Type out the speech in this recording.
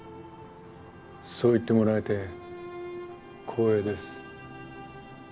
そう言ってもらえて光栄です。